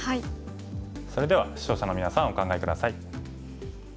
それでは視聴者のみなさんお考え下さい。